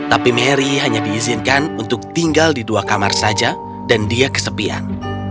tapi mary hanya diizinkan untuk tinggal di dua kamar saja dan dia kesepian